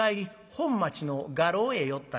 本町の画廊へ寄ったんや。